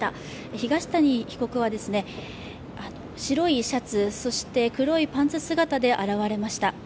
東谷被告は白いシャツ、そして黒いパンツ姿で現れました。